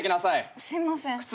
すいません。